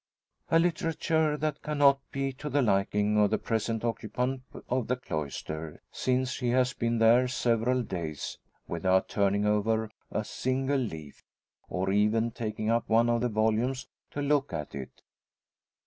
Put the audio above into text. A literature that cannot be to the liking of the present occupant of the cloister; since she has been there several days without turning over a single leaf, or even taking up one of the volumes to look at it.